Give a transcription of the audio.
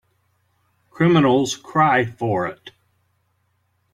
Criminals cry for it.